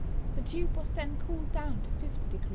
The tube was then cooled down to 50 deg.